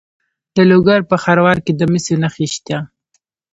د لوګر په خروار کې د مسو نښې شته.